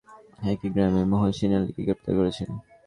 ঘটনার সঙ্গে জড়িত সন্দেহে পুলিশ একই গ্রামের মহসীন আলীকে গ্রেপ্তার করেছে।